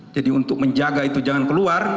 jadi untuk menjaga itu jangan keluar